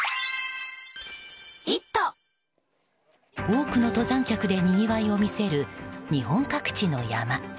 多くの登山客でにぎわいを見せる日本各地の山。